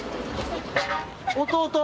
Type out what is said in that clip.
弟？